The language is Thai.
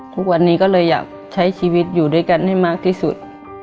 ทุกวันนี้ก็เลยอยากใช้ชีวิตอยู่ด้วยกันให้มากที่สุด